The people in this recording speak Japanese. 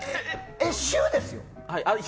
週ですよ？